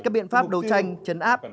các biện pháp đấu tranh chấn áp